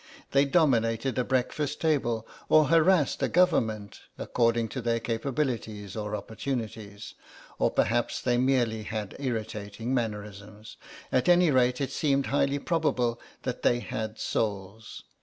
They dominated a breakfast table or harassed a Government, according to their capabilities or opportunities, or perhaps they merely had irritating mannerisms. At any rate it seemed highly probable that they had souls.